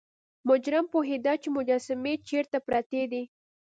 مجرم پوهیده چې مجسمې چیرته پرتې دي.